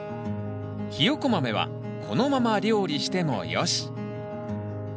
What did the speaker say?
ヒヨコマメはこのまま料理してもよし。